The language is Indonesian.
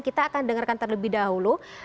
kita akan dengarkan terlebih dahulu